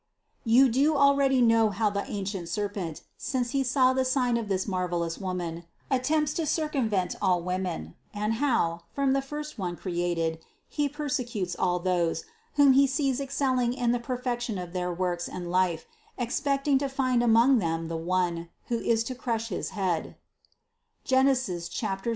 199. "You do already know how the ancient serpent, since he saw the sign of this marvelous Woman, at tempts to circumvent all women, and how, from the first one created, he persecutes all those, whom he sees ex celling in the perfection of their works and life, expect ing to find among them the One, who is to crush his head (Gen. 3, 15).